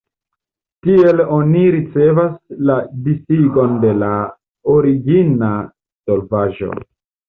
Tiel oni ricevas la disigon de la origina solvaĵo.